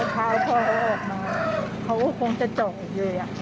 เมื่อเช้าพ่อเขาออกมาเขาก็คงจะเจาะอยู่เลยอ่ะ